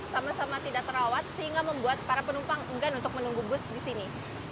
sama sama tidak terawat sehingga membuat para penumpang enggan untuk menunggu bus di sini